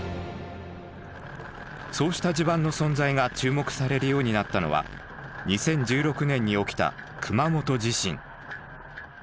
そうした地盤の存在が注目されるようになったのは２０１６年に起きた熊本地震。